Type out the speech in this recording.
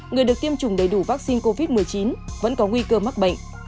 người được tiêm chủng đầy đủ vaccine covid một mươi chín vẫn có nguy cơ mắc bệnh